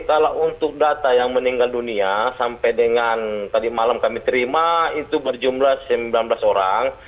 kalau untuk data yang meninggal dunia sampai dengan tadi malam kami terima itu berjumlah sembilan belas orang